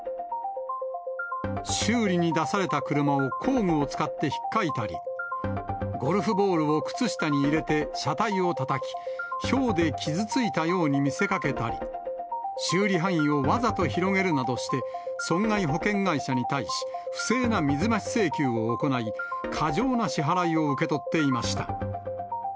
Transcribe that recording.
修理に出された車を工具を使ってひっかいたり、ゴルフボールを靴下に入れて車体をたたき、ひょうで傷ついたように見せかけたり、修理範囲をわざと広げるなどして、損害保険会社に対し、不正な水増し請求を行い、過剰な支払いを受け取っていました。